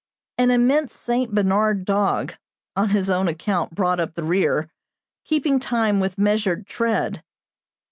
An immense Saint Bernard dog, on his own account brought up the rear, keeping time with measured tread.